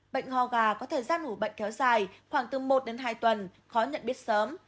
bệnh ho gà có thời gian ngủ bệnh kéo dài khoảng từ một đến hai tuần khó nhận biết sớm